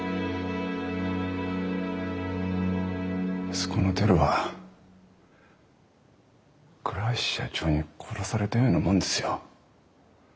息子の輝は倉橋社長に殺されたようなもんですよ。